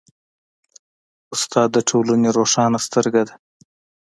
استاد د ټولنې روښانه سترګه ده.